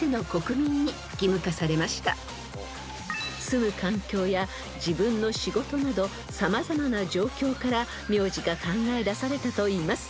［住む環境や自分の仕事など様々な状況から名字が考えだされたといいます］